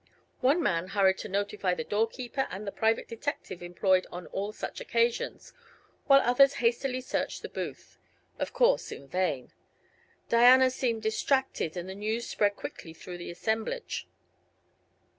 One man hurried to notify the door keeper and the private detective employed oh all such occasions, while others hastily searched the booth of course in vain. Diana seemed distracted and the news spread quickly through the assemblage.